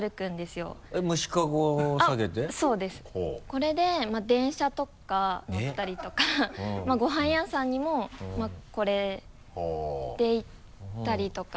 これで電車とか乗ったりとかごはん屋さんにもこれで行ったりとか。